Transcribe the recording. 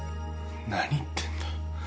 何言ってんだ？